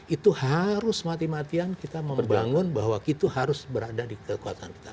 itu harus mati matian kita membangun bahwa kita harus berada di kekuatan kita